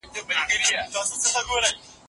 د هلکانو لیلیه په ناقانونه توګه نه جوړیږي.